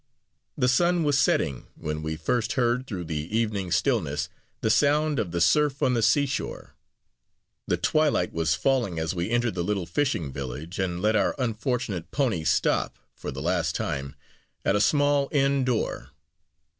The sun was setting, when we first heard, through the evening stillness, the sound of the surf on the seashore. The twilight was falling as we entered the little fishing village, and let our unfortunate pony stop, for the last time, at a small inn door.